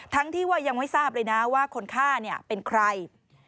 ที่ว่ายังไม่ทราบเลยนะว่าคนฆ่าเป็นใคร